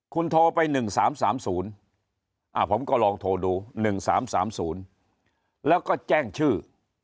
คุณโทรไป๑๓๓๐ผมก็ลองโทรดู๑๓๓๐แล้วก็แจ้งชื่อ